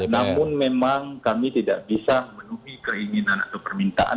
namun memang kami tidak bisa memenuhi keinginan atau permintaan